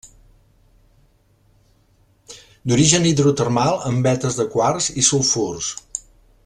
D'origen hidrotermal en vetes de quars i sulfurs.